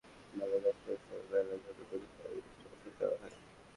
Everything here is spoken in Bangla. মেলার কাজ করার সময় মেলার জন্য প্রতিষ্ঠানের নির্দিষ্ট পোশাক দেওয়া হয়।